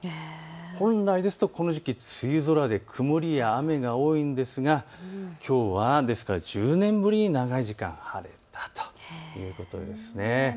本来ですとこの時期、梅雨空で曇りや雨が多いんですがきょうは１０年ぶりに長い時間、晴れたということですね。